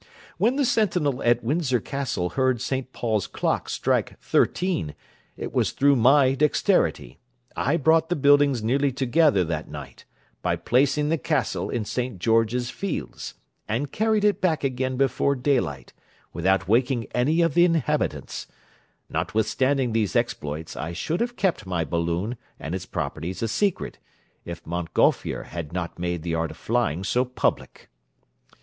When the sentinel at Windsor Castle heard St. Paul's clock strike thirteen, it was through my dexterity; I brought the buildings nearly together that night, by placing the castle in St. George's Fields, and carried it back again before daylight, without waking any of the inhabitants; notwithstanding these exploits, I should have kept my balloon, and its properties a secret, if Montgolfier had not made the art of flying so public.